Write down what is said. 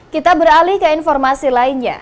kita beralih ke informasi lainnya